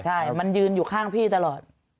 ใช่มันยืนอยู่ข้างพี่ตลอด